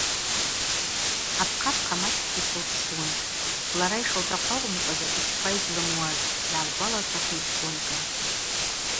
Апхъапхъа мачӏкӏгьи сылчвшвун: лара йшылтахъу акӏвымкӏва закӏ учпа йгьлымуазтӏ, – йгӏалгвалашвахитӏ Ольга.